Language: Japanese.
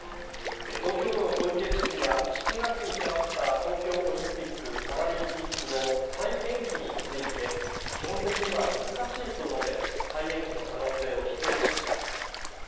東京都の小池知事は、７月に迫った東京オリンピック・パラリンピックの再延期について、基本的には難しいと述べ、再延期の可能性を否定しました。